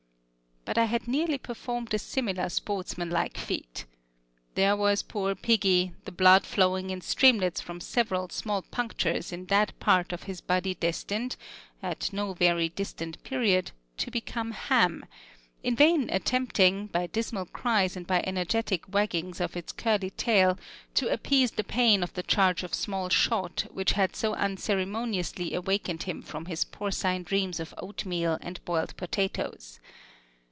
But I had nearly performed a similar sportsman like feat. There was poor piggy, the blood flowing in streamlets from several small punctures in that part of his body destined, at no very distant period, to become ham; in vain attempting, by dismal cries and by energetic waggings of his curly tail, to appease the pain of the charge of small shot which had so unceremoniously awaked him from his porcine dreams of oatmeal and boiled potatoes.